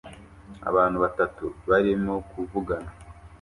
Abantu batatu barimo kuvugana